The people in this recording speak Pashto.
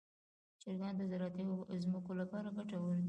چرګان د زراعتي ځمکو لپاره ګټور دي.